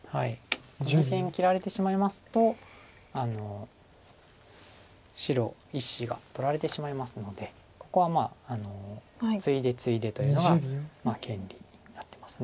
２線切られてしまいますと白１子が取られてしまいますのでここはツイでツイでというのが権利になってます。